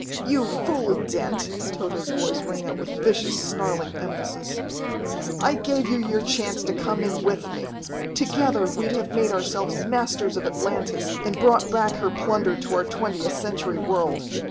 "You fool, Dent," Tode's voice rang out with vicious, snarling emphasis, "I gave you your chance to come in with me. Together we'd have made ourselves masters of Atlantis and brought back her plunder to our Twentieth Century world.